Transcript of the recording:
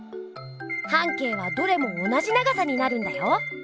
半径はどれも同じ長さになるんだよ。